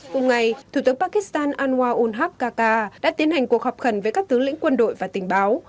cùng ngày thủ tướng pakistan anwar unhak kaka đã tiến hành cuộc họp khẩn với các tướng lĩnh quân đội và tình báo